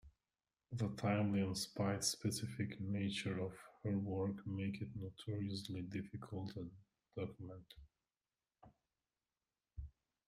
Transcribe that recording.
The timely and site-specific nature of her work make it notoriously difficult to document.